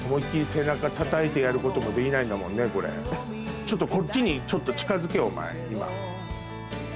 ちょっとこっちに近づけお前今。